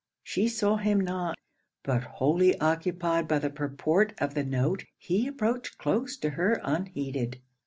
She saw him not: but wholly occupied by the purport of the note, he approached close to her unheeded.